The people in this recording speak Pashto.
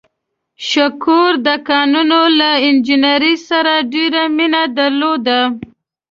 شکور د کانونو له انجنیرۍ سره ډېره مینه درلوده.